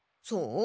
そう！